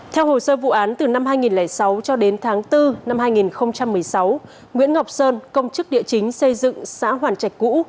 theo hồ sơ vụ án từ năm hai nghìn sáu cho đến tháng bốn năm hai nghìn một mươi sáu nguyễn ngọc sơn công chức địa chính xây dựng xã hoàn trạch cũ